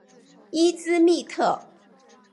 伊兹密特。